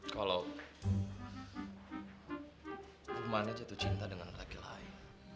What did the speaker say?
kalau rumana jatuh cinta dengan laki lain